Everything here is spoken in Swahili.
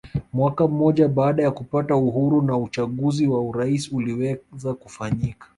Mwaka mmoja baada ya kupata uhuru na uchaguzi wa urais uliweza kufanyika